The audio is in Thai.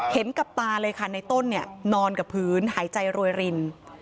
เห็นกับตาเลยค่ะในต้นนอนกับพื้นหายใจโรยริน